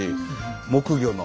木魚の。